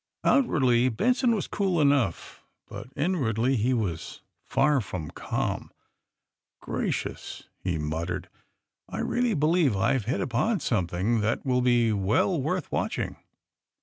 Outwardly, Benson was cool enongh, but in wardly be was far from calm. *' Gracious !" he muttered. *^ I really believe IVe hit upon something that will be well worth watching.